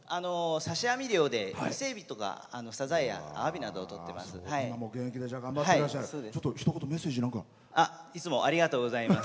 刺し網漁で伊勢エビとかサザエやアワビをとっています。